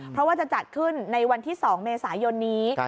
เพราะว่าจะจัดขึ้นในวันที่๒เมษายนนี้